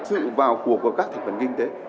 dự vào cuộc của các thành phần kinh tế